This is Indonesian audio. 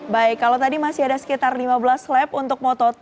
baik kalau tadi masih ada sekitar lima belas lab untuk moto dua